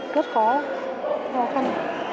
rất khó khó khăn